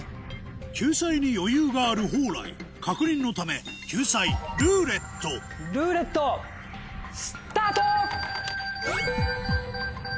救済に余裕がある蓬莱確認のため救済「ルーレット」ルーレットスタート！